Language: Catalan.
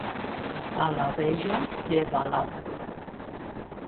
A la vella, lleva-la.